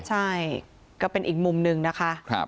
ใช่ก็เป็นอีกมุมหนึ่งนะคะ